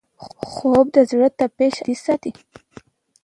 خوب د زړه تپش عادي ساتي